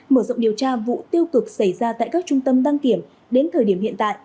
mở rộng điều tra vụ tiêu cực xảy ra tại các trung tâm đăng kiểm đến thời điểm hiện tại